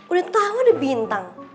udah tau ada bintang